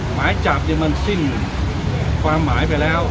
หมายจับมันสิ้นความหมายไปแล้ว